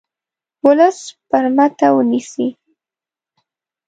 ولس برمته ونیسي.